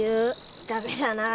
ダメだなぁ。